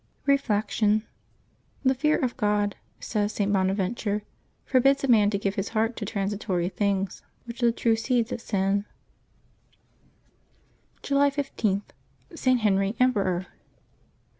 Reflection. —^^ The fear of God," says St. Bonaventure, "forbids a man to give his heart to transitory things, which are the true seeds of sin." July 15.— ST. HENRY, Emperor.